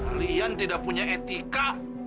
kalian tidak punya etika